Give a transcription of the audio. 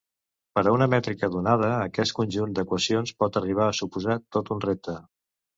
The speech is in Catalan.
Per a una mètrica donada, aquest conjunt d'equacions pot arribar a suposar tot un repte.